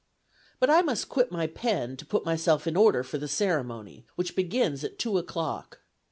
But I must quit my pen to put myself in order for the ceremony, which begins at two o'clock.